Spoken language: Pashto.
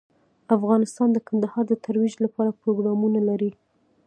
افغانستان د کندهار د ترویج لپاره پروګرامونه لري.